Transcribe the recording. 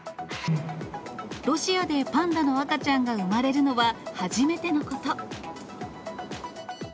ロシアでパンダの赤ちゃんが産まれるのは初めてのこと。